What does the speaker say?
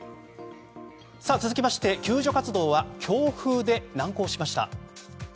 続きまして救助活動は強風で難航しました。